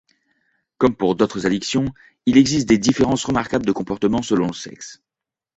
Comme pour d’autres addictions, il existe des différences remarquables de comportement selon le sexe.